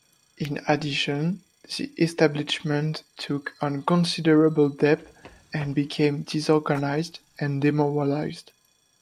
In addition, the establishment took on considerable debt and became disorganized and demoralized.